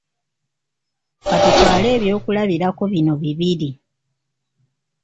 Ka tutwale eby'okulabirako bino bibiri.